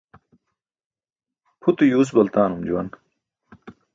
Pʰute yuus baltaanun juwan.